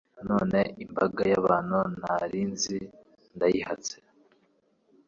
none imbaga y’abantu ntari nzi ndayihatse